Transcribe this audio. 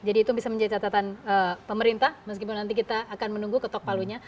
jadi itu bisa menjadi catatan pemerintah meskipun nanti kita akan menunggu ketok palunya